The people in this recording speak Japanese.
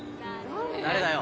誰だよ？